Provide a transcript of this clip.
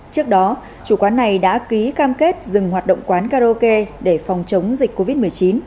trước đó chủ quán này đã ký cam kết dừng hoạt động quán karaoke để phòng chống dịch covid một mươi chín